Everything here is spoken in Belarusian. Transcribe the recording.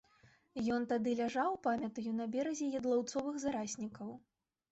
Ён тады ляжаў, памятаю, на беразе ядлаўцовых зараснікаў.